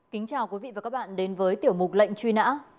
kính chào quý vị và các bạn đến với tiểu mục lệnh truy nã